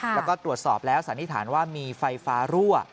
แล้วก็ตรวจสอบแล้วสันนิษฐานว่ามีไฟฟ้ารั่ว